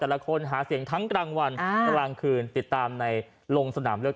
แต่ละคนหาเสียงทั้งกลางวันกลางคืนติดตามในลงสนามเลือก